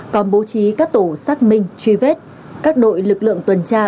còn bố trí các tổ xác minh truy vết các đội lực lượng tuần tra